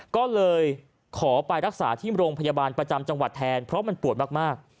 ก็เลยขอไปรักษาที่โรงพยาบาลประจำจังหวัดแทนเพราะมันปวดมาก